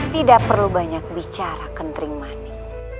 tidak perlu banyak bicara kentring mandi